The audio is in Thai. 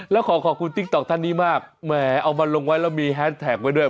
แล้วขอขอบคุณติ๊กต๊อกท่านนี้มากแหมเอามาลงไว้แล้วมีแฮสแท็กไว้ด้วย